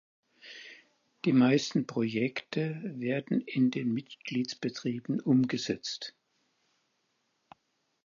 Die meisten Projekte werden in den Mitgliedsbetrieben umgesetzt.